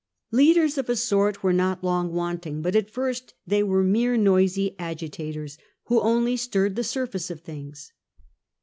Leaders of a sort were not long wanting, but at first they were mere noisy agitators, who only stirred the surface of things.